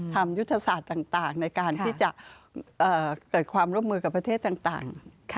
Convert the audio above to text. ยุทธศาสตร์ต่างในการที่จะเกิดความร่วมมือกับประเทศต่าง